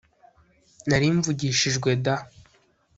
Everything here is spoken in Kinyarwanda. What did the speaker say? nari mvugishijwe daa